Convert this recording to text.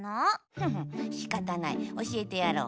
ふふんしかたないおしえてやろう。